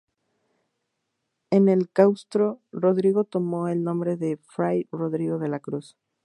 En el claustro, Rodrigo tomó el nombre de fray Rodrigo de la Cruz.